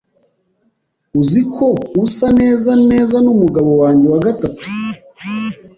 Uzi ko usa neza neza n’umugabo wanjye wa gatatu